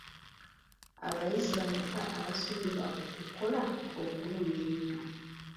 Abayizi bameka abasuubirwa okukola obulungi ennyo?